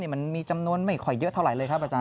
มันมีจำนวนไม่ค่อยเยอะเท่าไหร่เลยครับอาจาร